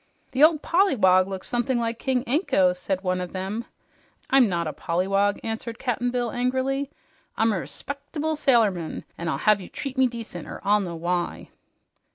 "The old polliwog looks something like King Anko," said one of them. "I'm not a polliwog!" answered Cap'n Bill angrily. "I'm a respec'ble sailor man, an' I'll have you treat me decent or I'll know why."